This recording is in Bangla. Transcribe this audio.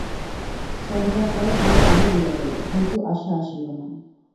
সন্ধ্যার পর ঘরে আলো দিয়া গেল, কিন্তু, আশা আসিল না।